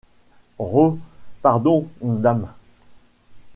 Rho pardon m’dame!